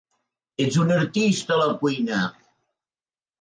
Ets un artista a la cuina!